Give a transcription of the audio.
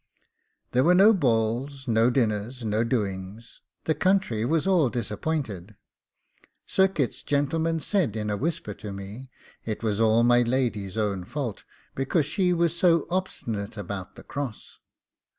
There were no balls, no dinners, no doings; the country was all disappointed Sir Kit's gentleman said in a whisper to me, it was all my lady's own fault, because she was so obstinate about the cross.